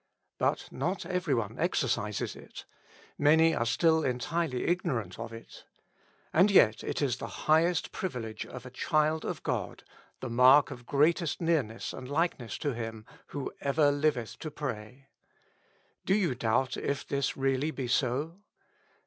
But not every one exercises it ; many are still entirely igno rant of it. And yet it is the highest privilege of a child of God, the mark of greatest nearness and like ness to Him, "who ever liveth to pray." Do you doubt if this really be so